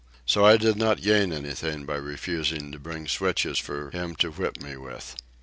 So I did not gain anything by refusing to bring switches for him to whip me with.